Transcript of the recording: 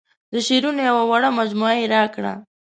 د شعرونو یوه وړه مجموعه یې راکړه.